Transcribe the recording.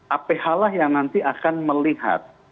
aph lah yang nanti akan melihat